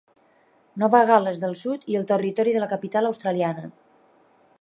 Nova Gal·les del Sud i el Territori de la Capital Australiana.